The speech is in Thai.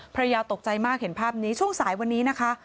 ภรรยาตกใจมากเห็นภาพนี้ช่วงสายวันนี้นะคะ